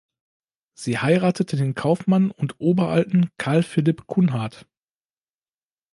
Sie heiratete den Kaufmann und Oberalten Carl Philipp Kunhardt.